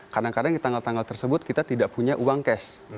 kadang kadang di tanggal tanggal tersebut kita tidak punya uang cash